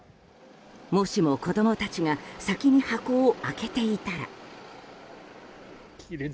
もしも、子供たちが先に箱を開けていたら。